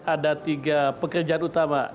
ada tiga pekerjaan utama